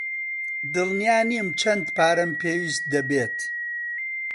دڵنیا نیم چەند پارەم پێویست دەبێت.